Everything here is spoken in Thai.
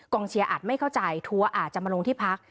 เชียร์อาจไม่เข้าใจทัวร์อาจจะมาลงที่พัก